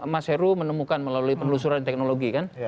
mas heru menemukan melalui penelusuran teknologi kan